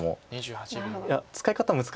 いや使い方難しいんです